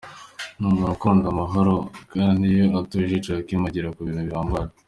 Ni umuntu ukunda amahoro kandi iyo atuje Joachim agera ku bintu bihambaye.